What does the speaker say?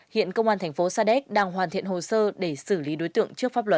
hiện công an thành phố sa đéc đang hoàn thiện hồ sơ để xử lý đối tượng trước pháp luật